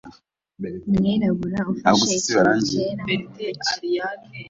umwirabura ufashe ikintu cyera mu ntoki